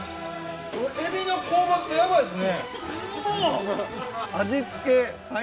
エビの香ばしさヤバいですね。